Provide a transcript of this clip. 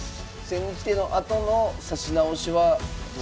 千日手のあとの指し直しはどう？